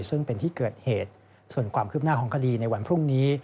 ซึ่งเป็นที่เกิดเหตุส่วนความคืบหน้าของคดีในวันพรุ่งนี้